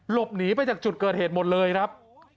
หลบหนีไปจากจุดเกิดเหตุหมดเลยครับ